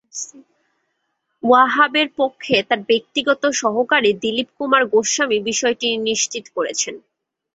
ওয়াহাবের পক্ষে তাঁর ব্যক্তিগত সহকারী দিলীপ কুমার গোস্বামী বিষয়টি নিশ্চিত করেছেন।